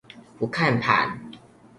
不看盤